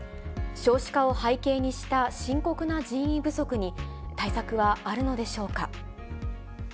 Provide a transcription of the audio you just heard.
少子化を背景にした深刻な人員不足に、対策はあるのでしょうか。